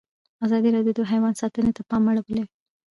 ازادي راډیو د حیوان ساتنه ته پام اړولی.